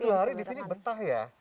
aku sih dua hari disini betah ya